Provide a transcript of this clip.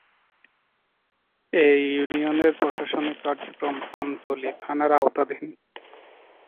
এ ইউনিয়নের প্রশাসনিক কার্যক্রম আমতলী থানার আওতাধীন।